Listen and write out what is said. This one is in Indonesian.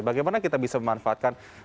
bagaimana kita bisa memanfaatkan